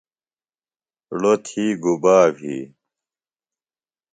ڑو تھی گُبا بھی؟